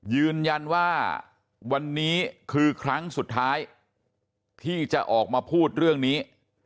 ยืนยันว่าวันนี้คือครั้งสุดท้ายที่จะออกมาพูดเรื่องนี้